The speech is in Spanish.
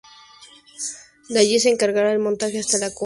De allí se encara el monte hasta la cumbre.